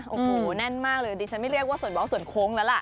โอ้โหแน่นมากเลยดิฉันไม่เรียกว่าสวนว้าวส่วนโค้งแล้วล่ะ